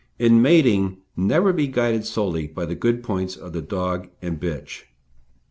In mating, never be guided solely by the good points of the dog and bitch.